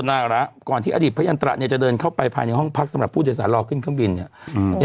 อ้าวแอนนี้คือพระสงฆ์หรอค่ะ